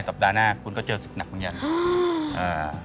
สัปดาห์หน้าคุณก็เจ๋อสิ่งหนักมันอย่างนั้น